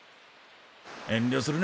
遠慮するな。